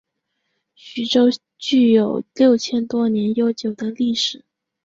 徐州具有六千多年悠久的历史。